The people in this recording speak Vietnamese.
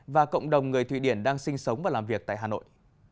và cộng đồng người thụy điển đang sinh sống và làm việc tại hà nội